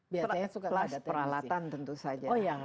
plus peralatan tentu saja